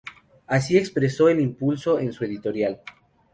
Así expresó el Impulso en su editorial.